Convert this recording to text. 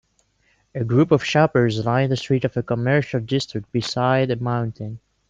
A group of shoppers line the street of a commercial district beside a mountain.